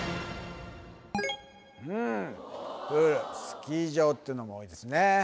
うんプールスキー場っていうのも多いですね